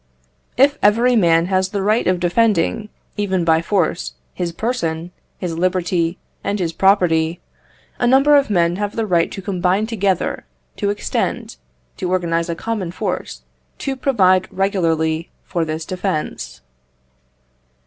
If every man has the right of defending, even by force, his person, his liberty, and his property, a number of men have the right to combine together, to extend, to organize a common force, to provide regularly for this defence.